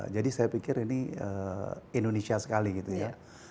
jadi saya pikir ini indonesia sekali gitu ya